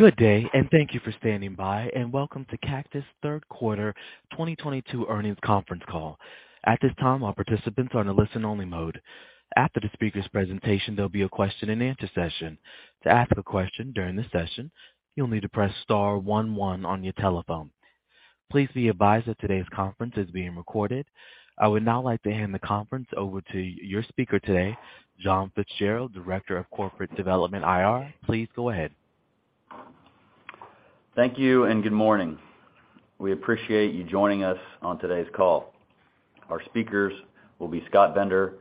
Good day, and thank you for standing by, and welcome to Cactus Third Quarter 2022 Earnings Conference Call. At this time, all participants are in a listen-only mode. After the speaker's presentation, there'll be a question-and-answer session. To ask a question during the session, you'll need to press star one one on your telephone. Please be advised that today's conference is being recorded. I would now like to hand the conference over to your speaker today, John Fitzgerald, Director of Corporate Development IR. Please go ahead. Thank you and good morning. We appreciate you joining us on today's call. Our speakers will be Scott Bender,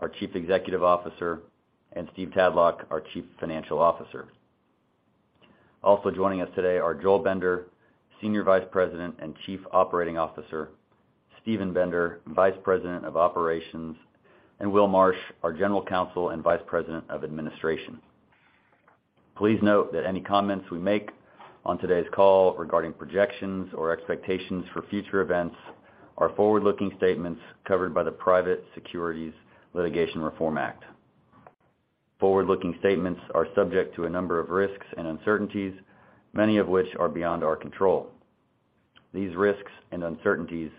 our Chief Executive Officer, and Steve Tadlock, our Chief Financial Officer. Also joining us today are Joel Bender, Senior Vice President and Chief Operating Officer, Steven Bender, Vice President of Operations, and Will Marsh, our General Counsel and Vice President of Administration. Please note that any comments we make on today's call regarding projections or expectations for future events are forward-looking statements covered by the Private Securities Litigation Reform Act. Forward-looking statements are subject to a number of risks and uncertainties, many of which are beyond our control. These risks and uncertainties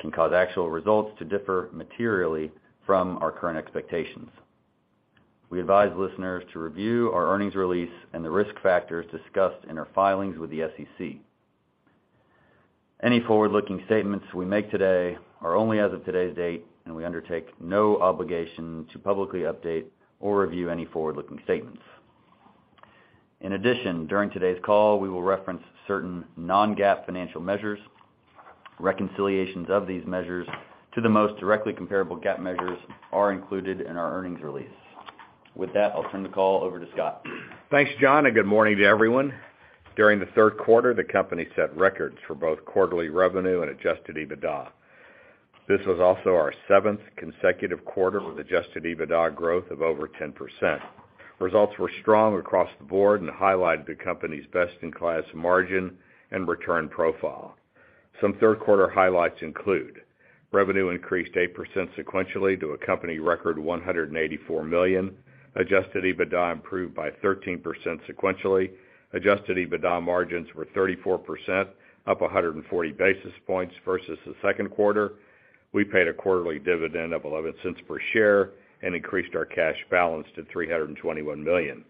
can cause actual results to differ materially from our current expectations. We advise listeners to review our earnings release and the risk factors discussed in our filings with the SEC. Any forward-looking statements we make today are only as of today's date, and we undertake no obligation to publicly update or review any forward-looking statements. In addition, during today's call we will reference certain non-GAAP financial measures. Reconciliations of these measures to the most directly comparable GAAP measures are included in our earnings release. With that, I'll turn the call over to Scott. Thanks, John, and good morning to everyone. During the third quarter, the company set records for both quarterly revenue and adjusted EBITDA. This was also our seventh consecutive quarter with adjusted EBITDA growth of over 10%. Results were strong across the board and highlighted the company's best-in-class margin and return profile. Some third quarter highlights include revenue increased 8% sequentially to a company record $184 million. Adjusted EBITDA improved by 13% sequentially. Adjusted EBITDA margins were 34%, up 140 basis points versus the second quarter. We paid a quarterly dividend of $0.11 per share and increased our cash balance to $321 million.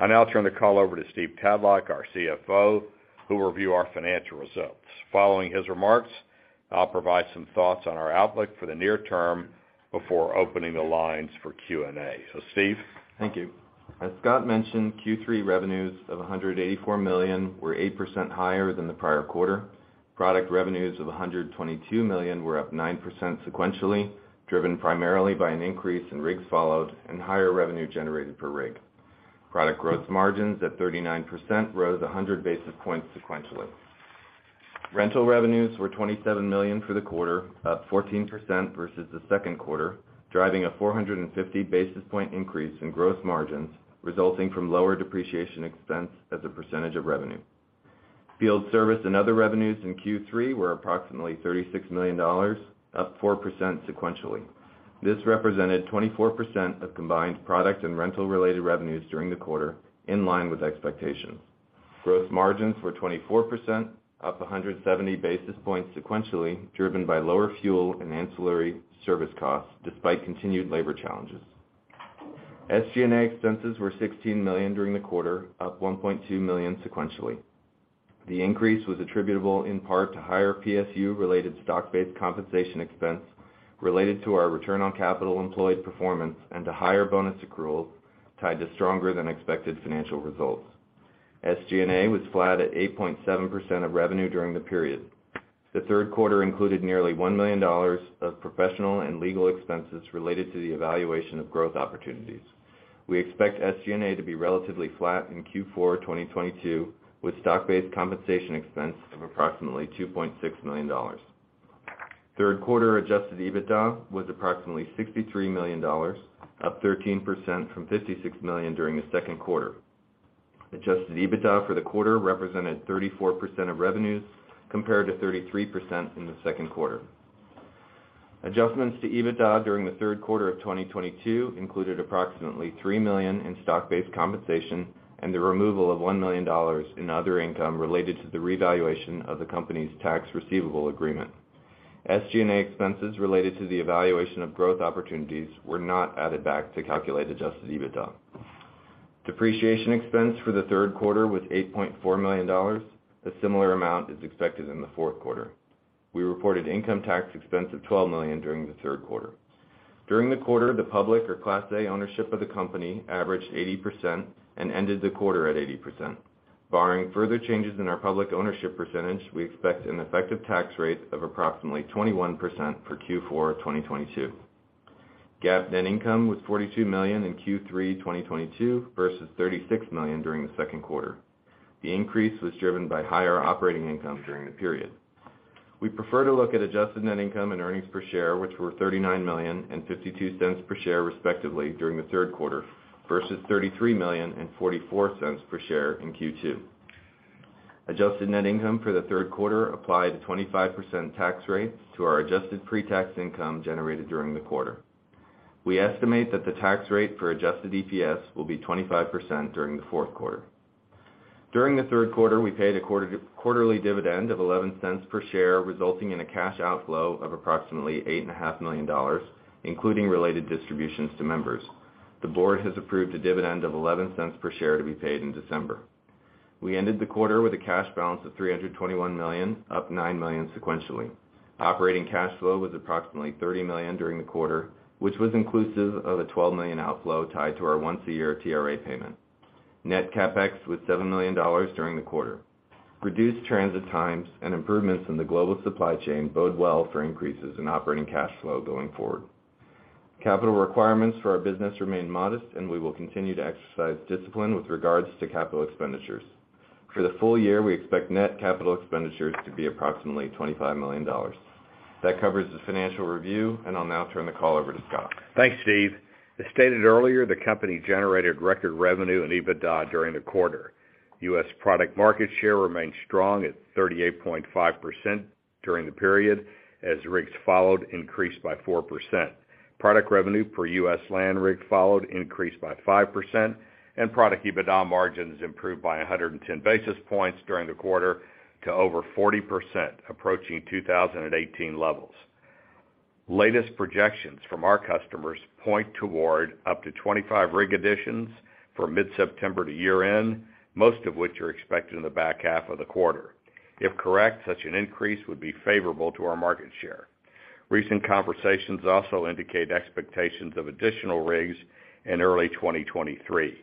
I'll now turn the call over to Stephen Tadlock, our CFO, who will review our financial results. Following his remarks, I'll provide some thoughts on our outlook for the near term before opening the lines for Q&A. Steve? Thank you. As Scott mentioned, Q3 revenues of $184 million were 8% higher than the prior quarter. Product revenues of $122 million were up 9% sequentially, driven primarily by an increase in rigs, followed, and higher revenue generated per rig. Product gross margins at 39% rose 100 basis points sequentially. Rental revenues were $27 million for the quarter, up 14% versus the second quarter, driving a 450 basis point increase in gross margins, resulting from lower depreciation expense as a percentage of revenue. Field service and other revenues in Q3 were approximately $36 million, up 4% sequentially. This represented 24% of combined product and rental-related revenues during the quarter, in line with expectations. Gross margins were 24%, up 170 basis points sequentially, driven by lower fuel and ancillary service costs despite continued labor challenges. SG&A expenses were $16 million during the quarter, up $1.2 million sequentially. The increase was attributable in part to higher PSU-related stock-based compensation expense related to our return on capital employed performance and to higher bonus accruals tied to stronger than expected financial results. SG&A was flat at 8.7% of revenue during the period. The third quarter included nearly $1 million of professional and legal expenses related to the evaluation of growth opportunities. We expect SG&A to be relatively flat in Q4 2022, with stock-based compensation expense of approximately $2.6 million. Third quarter adjusted EBITDA was approximately $63 million, up 13% from $56 million during the second quarter. Adjusted EBITDA for the quarter represented 34% of revenues compared to 33% in the second quarter. Adjustments to EBITDA during the third quarter of 2022 included approximately $3 million in stock-based compensation and the removal of $1 million in other income related to the revaluation of the company's tax receivable agreement. SG&A expenses related to the evaluation of growth opportunities were not added back to calculate adjusted EBITDA. Depreciation expense for the third quarter was $8.4 million. A similar amount is expected in the fourth quarter. We reported income tax expense of $12 million during the third quarter. During the quarter, the public or Class A ownership of the company averaged 80% and ended the quarter at 80%. Barring further changes in our public ownership percentage, we expect an effective tax rate of approximately 21% for Q4 2022. GAAP net income was $42 million in Q3 2022 versus $36 million during the second quarter. The increase was driven by higher operating income during the period. We prefer to look at adjusted net income and earnings per share, which were $39 million and $0.52 per share respectively, during the third quarter versus $33 million and $0.44 per share in Q2. Adjusted net income for the third quarter applied a 25% tax rate to our adjusted pre-tax income generated during the quarter. We estimate that the tax rate for adjusted EPS will be 25% during the fourth quarter. During the third quarter, we paid a quarterly dividend of $0.11 per share, resulting in a cash outflow of approximately $8.5 million, including related distributions to members. The board has approved a dividend of $0.11 per share to be paid in December. We ended the quarter with a cash balance of $321 million, up $9 million sequentially. Operating cash flow was approximately $30 million during the quarter, which was inclusive of a $12 million outflow tied to our once-a-year TRA payment. Net CapEx was $7 million during the quarter. Reduced transit times and improvements in the global supply chain bode well for increases in operating cash flow going forward. Capital requirements for our business remain modest, and we will continue to exercise discipline with regards to capital expenditures. For the full year, we expect net capital expenditures to be approximately $25 million. That covers the financial review, and I'll now turn the call over to Scott. Thanks, Steve. As stated earlier, the company generated record revenue and EBITDA during the quarter. U.S. product market share remained strong at 38.5% during the period as rig count increased by 4%. Product revenue per U.S. land rig count increased by 5%, and product EBITDA margins improved by 110 basis points during the quarter to over 40%, approaching 2018 levels. Latest projections from our customers point toward up to 25 rig additions from mid-September to year-end, most of which are expected in the back half of the quarter. If correct, such an increase would be favorable to our market share. Recent conversations also indicate expectations of additional rigs in early 2023.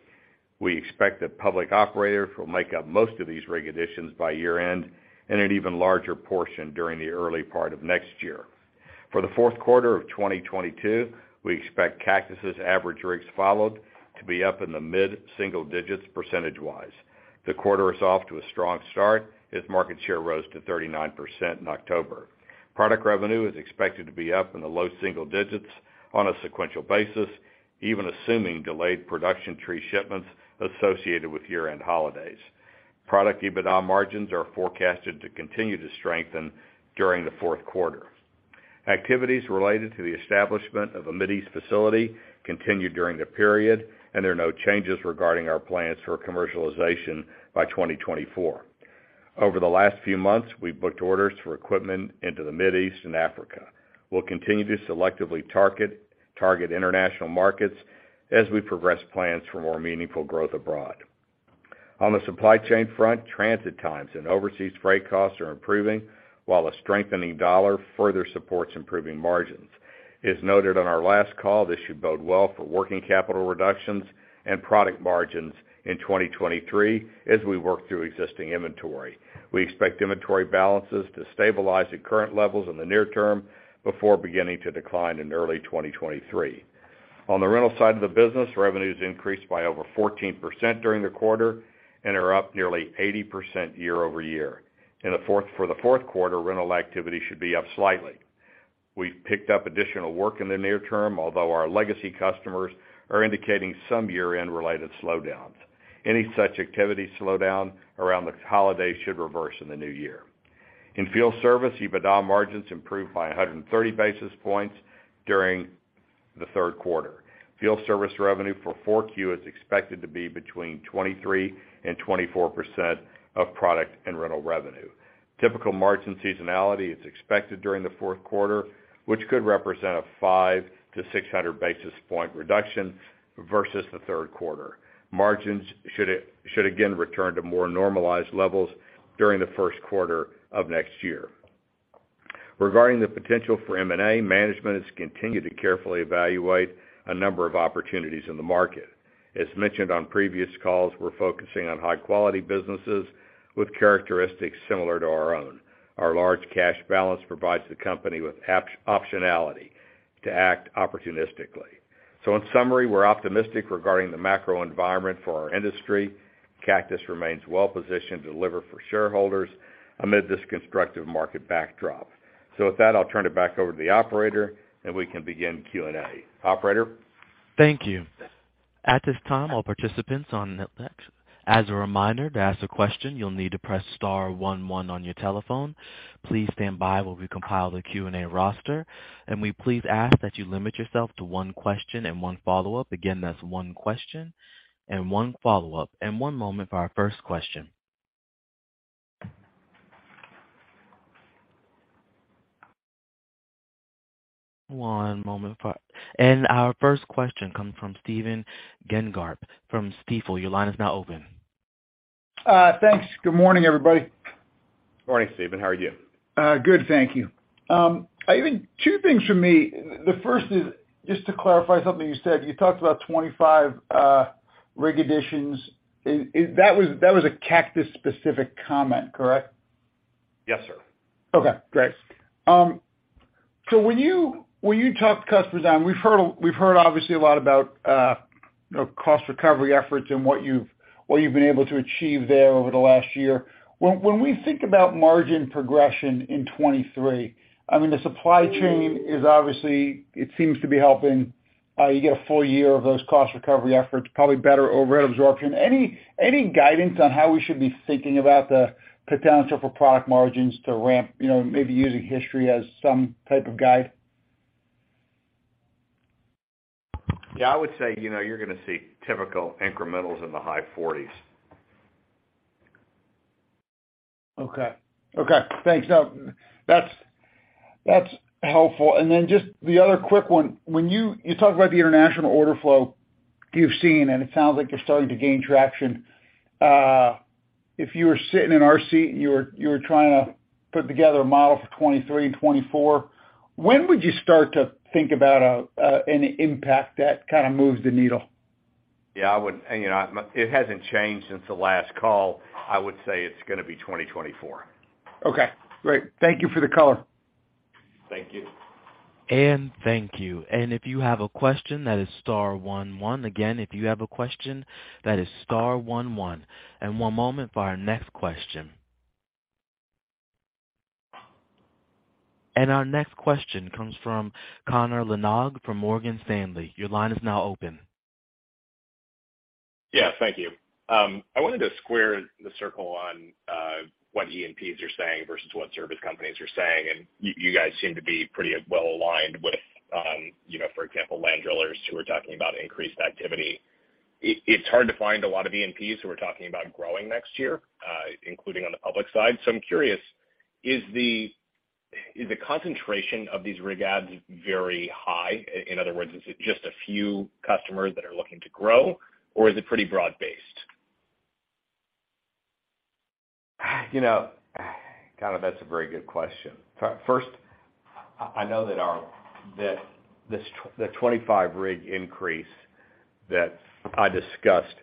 We expect that public operators will make up most of these rig additions by year-end and an even larger portion during the early part of next year. For the fourth quarter of 2022, we expect Cactus' average rigs fielded to be up in the mid-single digits percentage-wise. The quarter is off to a strong start as market share rose to 39% in October. Product revenue is expected to be up in the low single-digits on a sequential basis, even assuming delayed production tree shipments associated with year-end holidays. Product EBITDA margins are forecasted to continue to strengthen during the fourth quarter. Activities related to the establishment of a Middle East facility continued during the period, and there are no changes regarding our plans for commercialization by 2024. Over the last few months, we've booked orders for equipment into the Middle East and Africa. We'll continue to selectively target international markets as we progress plans for more meaningful growth abroad. On the supply chain front, transit times and overseas freight costs are improving, while a strengthening dollar further supports improving margins. As noted on our last call, this should bode well for working capital reductions and product margins in 2023 as we work through existing inventory. We expect inventory balances to stabilize at current levels in the near term before beginning to decline in early 2023. On the rental side of the business, revenues increased by over 14% during the quarter and are up nearly 80% year-over-year. For the fourth quarter, rental activity should be up slightly. We've picked up additional work in the near term, although our legacy customers are indicating some year-end-related slowdowns. Any such activity slowdown around the holiday should reverse in the new year. In field service, EBITDA margins improved by 100 basis points during the third quarter. Field service revenue for 4Q is expected to be between 23% and 24% of product and rental revenue. Typical margin seasonality is expected during the fourth quarter, which could represent a 500-600 basis point reduction versus the third quarter. Margins should again return to more normalized levels during the first quarter of next year. Regarding the potential for M&A, management has continued to carefully evaluate a number of opportunities in the market. As mentioned on previous calls, we're focusing on high-quality businesses with characteristics similar to our own. Our large cash balance provides the company with optionality to act opportunistically. In summary, we're optimistic regarding the macro environment for our industry. Cactus remains well positioned to deliver for shareholders amid this constructive market backdrop. With that, I'll turn it back over to the operator, and we can begin Q&A. Operator? Thank you. At this time, all participants on--as a reminder to ask a question, you will need to press star one one on your telephone please stand while we compile the Q&A roster and we please ask that you limit yourself to one question and one follow-up. And one moment for our first question. Our first question comes from Stephen Gengaro from Stifel. Your line is now open. Thanks. Good morning, everybody. Morning, Steven. How are you? Good, thank you. I think two things from me. The first is just to clarify something you said. You talked about 25 rig additions. Is that a Cactus-specific comment, correct? Yes, sir. Okay, great. So when you talk to customers, and we've heard obviously a lot about you know, cost recovery efforts and what you've been able to achieve there over the last year. When we think about margin progression in 2023, I mean, the supply chain is obviously, it seems to be helping you get a full year of those cost recovery efforts, probably better over absorption. Any guidance on how we should be thinking about the potential for product margins to ramp, you know, maybe using history as some type of guide? I would say, you know, you're gonna see typical incrementals in the high 40s. Okay. Thanks. No, that's helpful. Just the other quick one. When you talk about the international order flow you've seen, and it sounds like you're starting to gain traction. If you were sitting in our seat, and you were trying to put together a model for 2023 and 2024, when would you start to think about an impact that kind of moves the needle? You know, it hasn't changed since the last call. I would say it's gonna be 2024. Okay, great. Thank you for the color. Thank you. Thank you. If you have a question, that is star one one. Again, if you have a question, that is star one one. One moment for our next question. Our next question comes from Connor Lynagh from Morgan Stanley. Your line is now open. Yeah, thank you. I wanted to square the circle on what E&Ps are saying versus what service companies are saying. You guys seem to be pretty well aligned with, you know, for example, land drillers who are talking about increased activity. It's hard to find a lot of E&Ps who are talking about growing next year, including on the public side. I'm curious, is the concentration of these rig adds very high? In other words, is it just a few customers that are looking to grow, or is it pretty broad-based? You know, kind of that's a very good question. First, I know that this the 25 rig increase that I discussed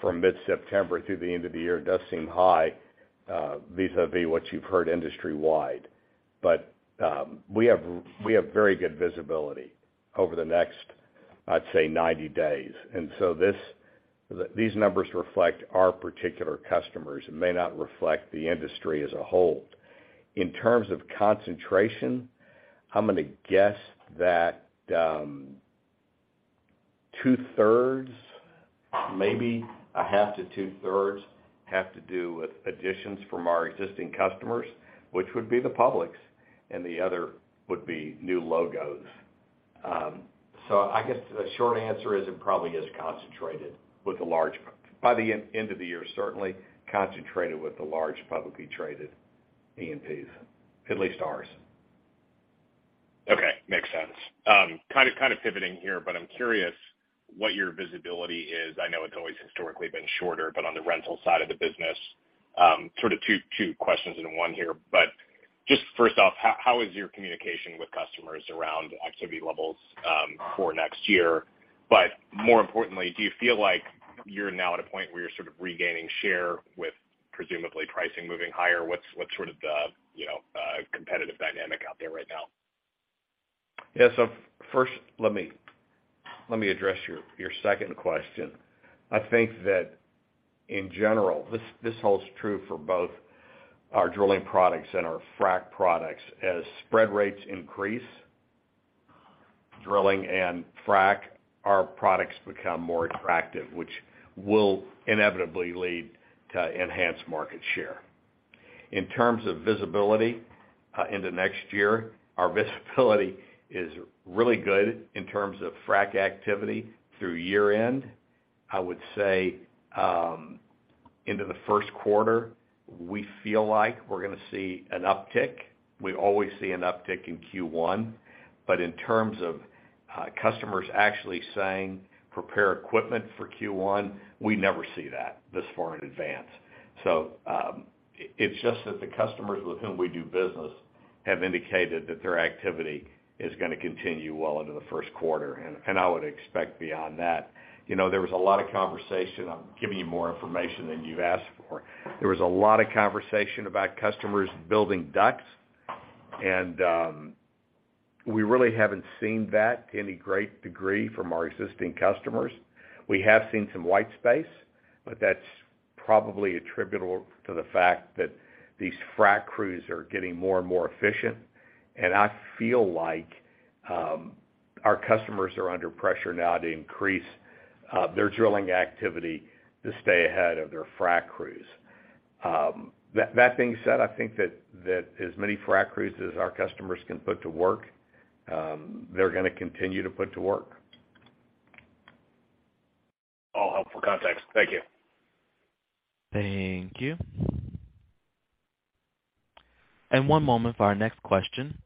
from mid-September through the end of the year does seem high, vis-a-vis what you've heard industry-wide. We have very good visibility over the next, I'd say, 90 days. These numbers reflect our particular customers and may not reflect the industry as a whole. In terms of concentration, I'm gonna guess that 2/3s, maybe a 1/2 to 2/3s have to do with additions from our existing customers, which would be the publics, and the other would be new logos. I guess the short answer is it probably is concentrated with the large by the end of the year, certainly concentrated with the large publicly traded E&Ps, at least ours. Okay. Makes sense. Kind of pivoting here, but I'm curious what your visibility is. I know it's always historically been shorter, but on the rental side of the business, sort of two questions in one here. Just first off, how is your communication with customers around activity levels for next year? More importantly, do you feel like you're now at a point where you're sort of regaining share with presumably pricing moving higher? What's sort of the, you know, competitive dynamic out there right now? Yeah. First, let me address your second question. I think that in general, this holds true for both our drilling products and our frac products. As spread rates increase, our products become more attractive, which will inevitably lead to enhanced market share. In terms of visibility into next year, our visibility is really good in terms of frac activity through year-end. I would say, into the first quarter, we feel like we're gonna see an uptick. We always see an uptick in Q1. In terms of customers actually saying, "Prepare equipment for Q1," we never see that this far in advance. It's just that the customers with whom we do business have indicated that their activity is gonna continue well into the first quarter, and I would expect beyond that. You know, there was a lot of conversation. I'm giving you more information than you asked for. There was a lot of conversation about customers building DUCs, and we really haven't seen that to any great degree from our existing customers. We have seen some white space, but that's probably attributable to the fact that these frac crews are getting more and more efficient, and I feel like our customers are under pressure now to increase their drilling activity to stay ahead of their frac crews. That being said, I think that as many frac crews as our customers can put to work, they're gonna continue to put to work. All helpful context. Thank you. Thank you. One moment for our next question.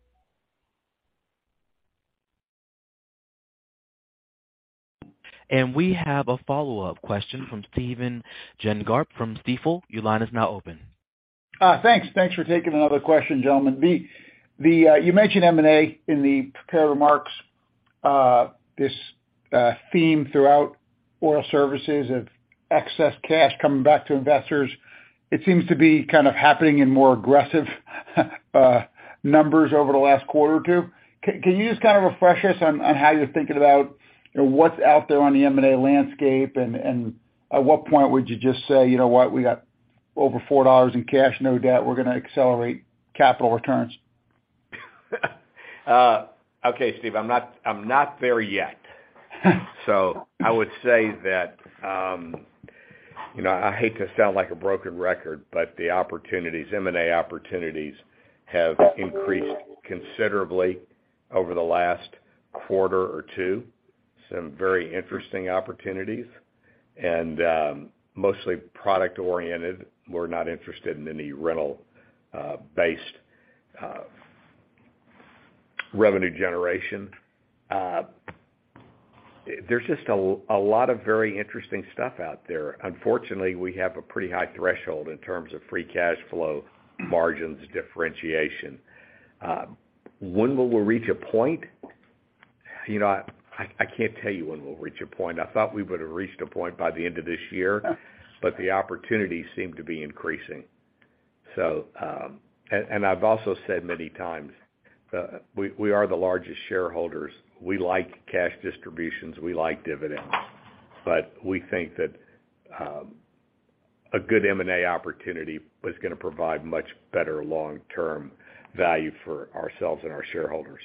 We have a follow-up question from Stephen Gengaro from Stifel. Your line is now open. Thanks for taking another question, gentlemen. You mentioned M&A in the prepared remarks, this theme throughout oil services of excess cash coming back to investors. It seems to be kind of happening in more aggressive numbers over the last quarter or two. Can you just kind of refresh us on how you're thinking about what's out there on the M&A landscape? At what point would you just say, "You know what? We got over $4 in cash, no debt, we're gonna accelerate capital returns. Okay, Steve. I'm not there yet. I would say that you know, I hate to sound like a broken record, but the opportunities, M&A opportunities have increased considerably over the last quarter or two. Some very interesting opportunities, and mostly product-oriented. We're not interested in any rental-based revenue generation. There's just a lot of very interesting stuff out there. Unfortunately, we have a pretty high threshold in terms of free cash flow margins differentiation. When will we reach a point? You know, I can't tell you when we'll reach a point. I thought we would have reached a point by the end of this year, but the opportunities seem to be increasing. And I've also said many times, we are the largest shareholders. We like cash distributions, we like dividends, but we think that a good M&A opportunity is gonna provide much better long-term value for ourselves and our shareholders.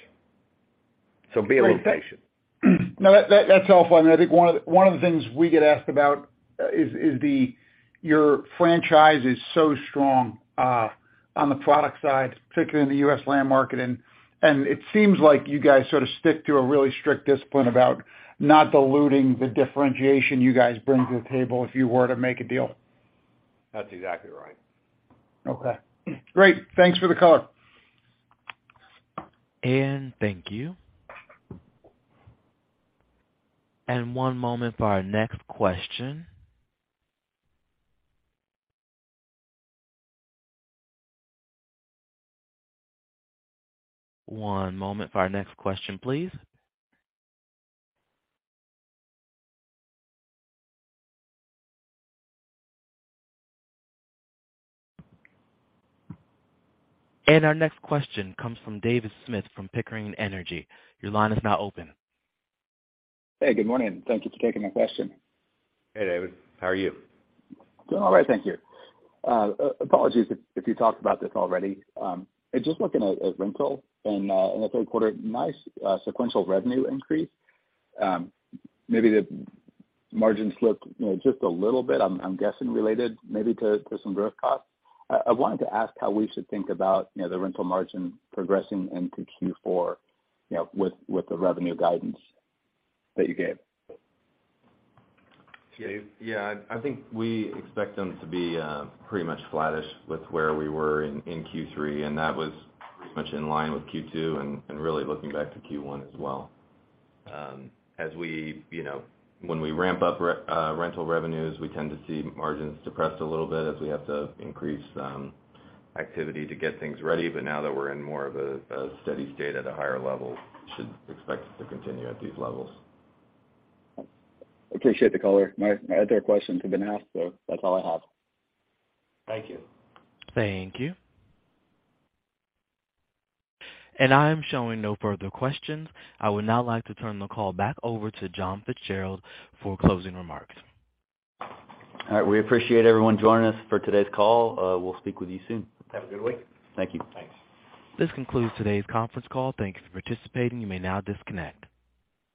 Be a little patient. Great. No, that's helpful. I think one of the things we get asked about, your franchise is so strong on the product side, particularly in the U.S. land market. It seems like you guys sort of stick to a really strict discipline about not diluting the differentiation you guys bring to the table if you were to make a deal. That's exactly right. Okay, great. Thanks for the color. Thank you. One moment for our next question, please. Our next question comes from David Smith from Pickering Energy Partners. Your line is now open. Hey, good morning. Thank you for taking my question. Hey, David. How are you? Doing all right, thank you. Apologies if you talked about this already. Just looking at rental in the third quarter, nice sequential revenue increase. Maybe the margins looked, you know, just a little bit, I'm guessing related maybe to some growth costs. I wanted to ask how we should think about, you know, the rental margin progressing into Q4, you know, with the revenue guidance that you gave. Dave? Yeah, I think we expect them to be pretty much flattish with where we were in Q3, and that was pretty much in line with Q2, and really looking back to Q1 as well. As we, you know, when we ramp up rental revenues, we tend to see margins depressed a little bit as we have to increase activity to get things ready. But now that we're in more of a steady state at a higher level, should expect it to continue at these levels. Appreciate the color. My other questions have been asked, so that's all I have. Thank you. Thank you. I am showing no further questions. I would now like to turn the call back over to John Fitzgerald for closing remarks. All right. We appreciate everyone joining us for today's call. We'll speak with you soon. Have a good week. Thank you. Thanks. This concludes today's conference call. Thank you for participating. You may now disconnect.